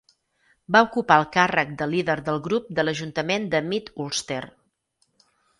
Va ocupar el càrrec de líder del grup de l'ajuntament de Mid Ulster